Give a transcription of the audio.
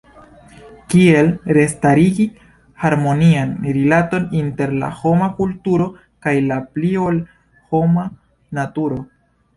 Kiel restarigi harmonian rilaton inter la homa kulturo kaj la pli-ol-homa naturo?